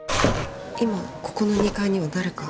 今ここの二階には誰か？